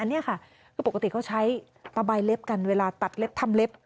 นี่ค่ะคือปกติเขาใช้ตะใบเล็บกันเวลาตัดเล็บทำเล็บ